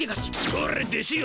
これ弟子よ。